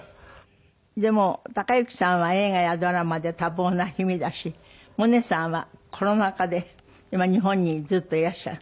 でも之さんは映画やドラマで多忙な日々だし百音さんはコロナ禍で今日本にずっといらっしゃる？